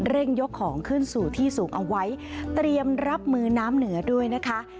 เร่งยกของขึ้นสู่ที่สูงเอาไว้เตรียมรับมือน้ำเหนือด้วยนะคะ